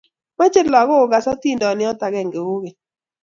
mache lagok ko gas hadindiot agenge kogeny